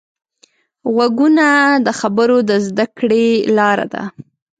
غوږونه د خبرو د زده کړې لاره ده